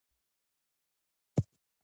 اورېدنه او لوستنه د ژبې ریښې دي.